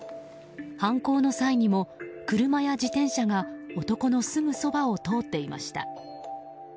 犯行の際にも車や自転車が男のすぐそばを通っていました。